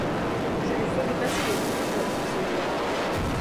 Je lui ferai passer le goût du pain, à celui-là!